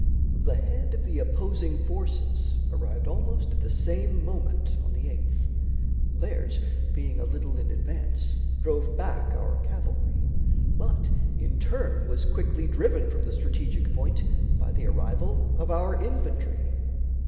The head of the opposing forces arrived almost at the same moment on the 8th; theirs, being a little in advance, drove back our cavalry, but in turn was quickly driven from the strategic point by the arrival of our infantry.